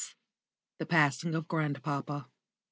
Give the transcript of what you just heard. * _*THE PASSING OF GRANDPAPA.